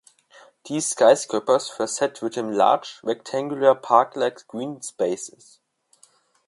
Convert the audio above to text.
These skyscrapers were set within large, rectangular park-like green spaces.